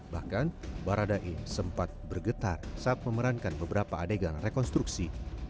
bahkan baradae sempat bergetar saat memerankan beberapa adegan rekonstruksi